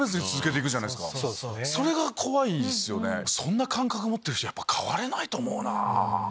そんな感覚持ってる人変われないと思うなぁ。